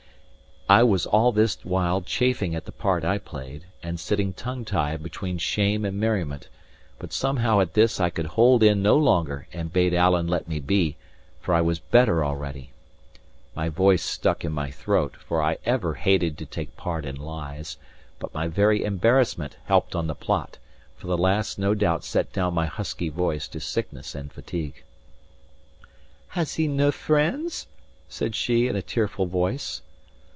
I was all this while chafing at the part I played, and sitting tongue tied between shame and merriment; but somehow at this I could hold in no longer, and bade Alan let me be, for I was better already. My voice stuck in my throat, for I ever hated to take part in lies; but my very embarrassment helped on the plot, for the lass no doubt set down my husky voice to sickness and fatigue. "Has he nae friends?" said she, in a tearful voice.